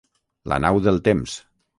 La nau del temps.